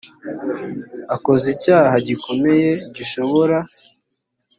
akoze icyaha gikomeye gishobora